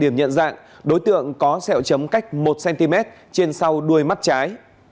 nhận dạng đối tượng có sẹo chấm cách một cm trên sau đuôi mắt trái